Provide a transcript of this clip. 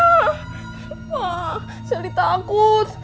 pak sel ditakut